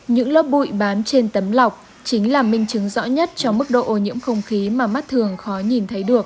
những lớp bụi bám trên tấm lọc chính là minh chứng rõ nhất cho mức độ ô nhiễm không khí mà mắt thường khó nhìn thấy được